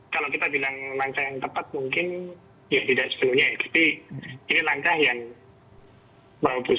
kalau kita bilang langkah yang tepat mungkin ya tidak sepenuhnya